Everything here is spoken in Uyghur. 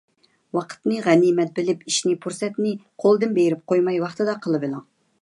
ۋاقىتنى غەنىيمەت بىلىپ، ئىشنى پۇرسەتنى قولدىن بېرىپ قويماي ۋاقتىدا قىلىۋېلىڭ.